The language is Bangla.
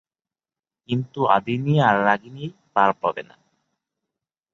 কিন্তু আধিনি আর রাগিনী পার পাবে না।